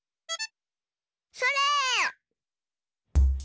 それ！